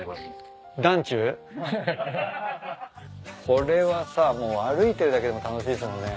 これはさもう歩いてるだけでも楽しいっすもんね。